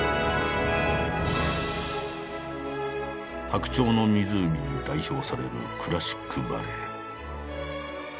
「白鳥の湖」に代表されるクラシックバレエ。